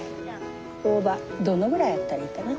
オオバどのぐらいあったらいいかな。